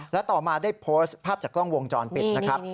และต่อมาได้โพสต์ภาพจากกล้องวงจรปิดนะครับ